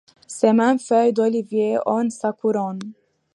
Ces mêmes feuilles d'olivier ornent sa couronne.